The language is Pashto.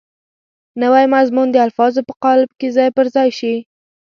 نوی مضمون د الفاظو په قالب کې ځای پر ځای شي.